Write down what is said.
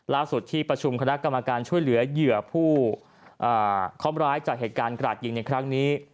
ที่ประชุมคณะกรรมการช่วยเหลือเหยื่อผู้ค้อมร้ายจากเหตุการณ์กราดยิงในครั้งนี้